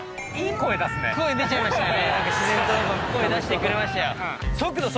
声出ちゃいましたね。